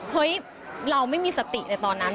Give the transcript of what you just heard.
เฮ้ยเราไม่มีสติในตอนนั้น